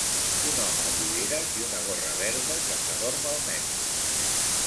Un home amb ulleres i una gorra verda que s'adorm al metro.